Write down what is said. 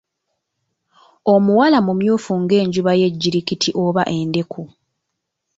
Omuwala mumyufu ng'enjuba y'ejjirikiti oba endeku.